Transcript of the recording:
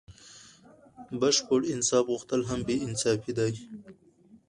بشپړ انصاف غوښتل هم بې انصافي دئ.